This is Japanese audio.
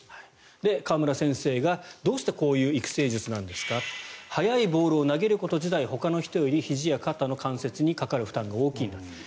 川村先生が、どうしてこういう育成術なんですか速いボールを投げること自体ほかの人よりひじや肩の関節にかかる負担が大きいんだ。